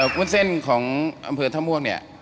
วุ้นเส้นของอำเภอท่าม่วงเนี่ย